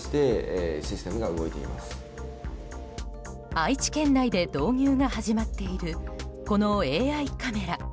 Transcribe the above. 愛知県内で導入が始まっているこのＡＩカメラ。